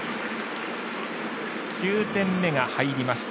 ９点目が入りました。